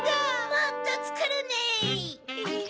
もっとつくるネ！